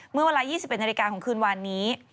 เมื่อเวลา๒๑นาฬิกาของคืนวานนี้